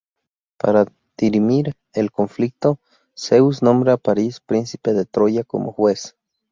Para dirimir el conflicto, Zeus nombra a Paris, príncipe de Troya, como juez.